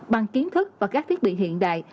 bằng kiến thức và các thiết bị hiện đại